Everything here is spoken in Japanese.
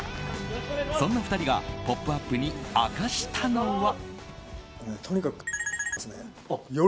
そんな２人が「ポップＵＰ！」に明かしたのは。